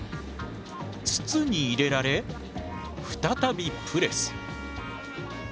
筒に入れられ再びプレス。